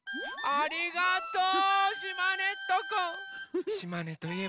ありがとう！